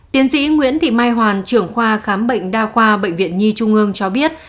tiến sĩ nguyễn thị mai hoàn trưởng khoa khám bệnh đa khoa bệnh viện nhi trung ương cho biết